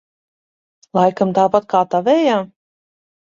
Laikam tāpat kā tavējā?